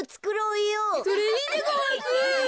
それいいでごわす！